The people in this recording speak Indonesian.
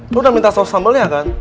lo udah minta saus sambal ya kan